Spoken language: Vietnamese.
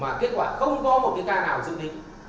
và kết quả không có một cái ca nào dự định